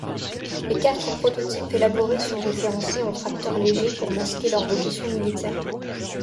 Les quatre prototypes élaborés sont référencés en tracteur léger pour masquer leur vocation militaire.